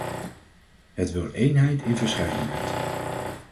Het wil eenheid in verscheidenheid.